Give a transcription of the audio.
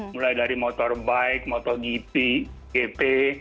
mulai dari motorbike motogipi gp